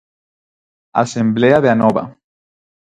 Asemblea de Anova.